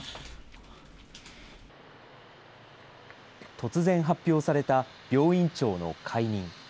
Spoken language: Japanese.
突然発表された病院長の解任。